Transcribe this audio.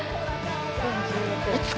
「いつか」